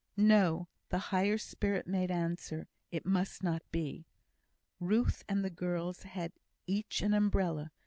"No!" the higher spirit made answer; "it must not be." Ruth and the girls had each an umbrella.